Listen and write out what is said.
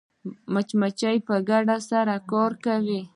مچمچۍ په ګډه سره کار کوي